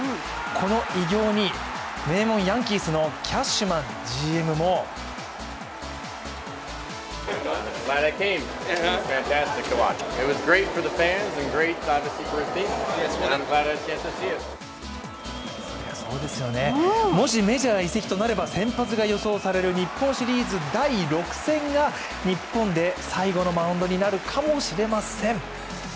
この偉業に名門ヤンキースのキャッシュマンＧＭもそりゃそうですよね、もしメジャー移籍となれば先発が予想される日本シリーズ第６戦が日本で最後のマウンドになるかもしれません。